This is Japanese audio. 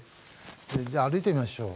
じゃあ歩いてみましょう。